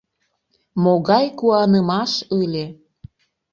Могай куанымаш ыле!